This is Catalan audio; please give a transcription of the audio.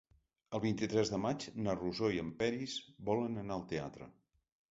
El vint-i-tres de maig na Rosó i en Peris volen anar al teatre.